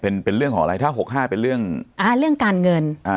เป็นเป็นเรื่องของอะไรถ้าหกห้าเป็นเรื่องอ่าเรื่องการเงินอ่า